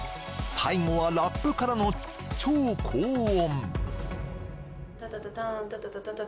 最後はラップからの超高音